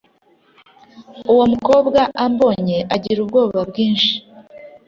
uwo mukobwa ambonye agira ubwoba bwinshi